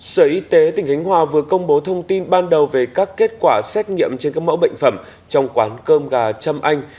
sở y tế tỉnh khánh hòa vừa công bố thông tin ban đầu về các kết quả xét nghiệm trên các mẫu bệnh phẩm trong quán cơm gà trâm anh